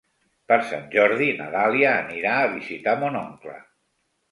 Per Sant Jordi na Dàlia anirà a visitar mon oncle.